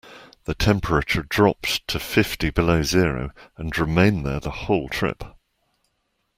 The temperature dropped to fifty below zero and remained there the whole trip.